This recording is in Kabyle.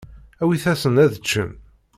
Awit-asen-d ad ččen.